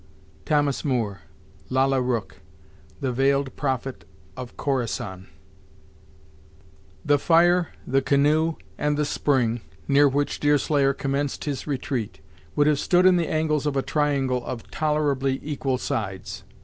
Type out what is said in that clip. Thomas Moore, Lalla Rookh, "The Veiled Prophet of Khorassan" The fire, the canoe, and the spring, near which Deerslayer commenced his retreat, would have stood in the angles of a triangle of tolerably equal sides.